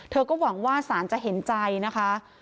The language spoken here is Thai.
ก็หวังว่าสารจะเห็นใจนะคะ